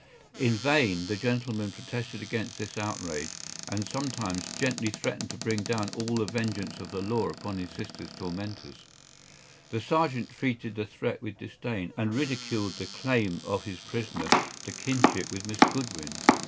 In vain the gentleman protested against this outrage, and sometimes gently threatened to bring down all the vengeance of the law upon his sister’s tormentors. The sergeant treated the threat with disdain, and ridiculed the claim of his prisoner to kinship with Miss Goodwin.